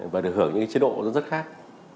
và được hưởng những chế độ rất khác